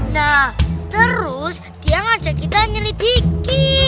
nah terus dia ngajak kita nyelidiki